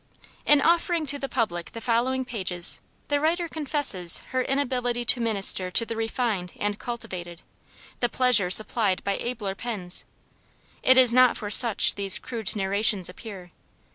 IN offering to the public the following pages, the writer confesses her inability to minister to the refined and cultivated, the pleasure supplied by abler pens. It is not for such these crude narrations appear.